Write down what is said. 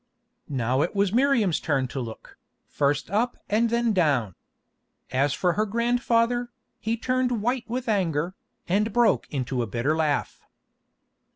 Now it was Miriam's turn to look, first up and then down. As for her grandfather, he turned white with anger, and broke into a bitter laugh.